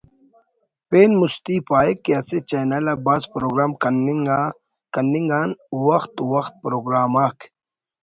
پین مستی پاہک کہ اسہ چینل آ بھاز پروگرام کننگ آن وخت وخت پروگرام آک